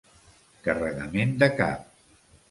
Carregament de cap.